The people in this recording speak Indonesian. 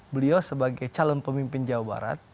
beliau sebagai calon pemimpin jawa barat